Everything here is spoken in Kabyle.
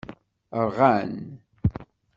Rɣan.